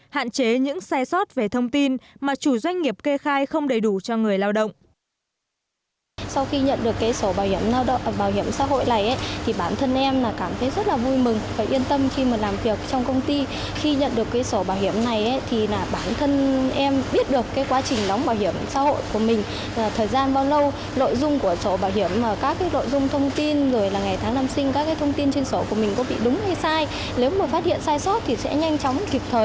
hạn chế những sai sót về thông tin mà chủ doanh nghiệp kê khai không đầy đủ cho người lao động